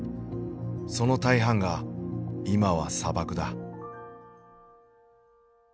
その大半が今は砂漠だ。